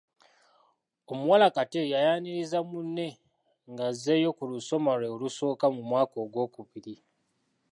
Omuwala Kattei yayaniriza munne ng’azzeeyo ku lusoma lwe olusooka mu mwaka ogw’okubiri.